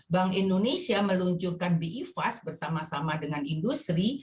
bank indonesia meluncurkan bi fast bersama sama dengan industri